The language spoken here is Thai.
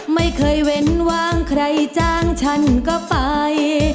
ไม่เคยเว้นวางใครจ้างฉันก็ไป